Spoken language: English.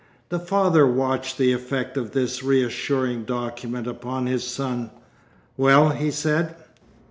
The father watched the effect of this reassuring document upon his son. 'Well?' he said.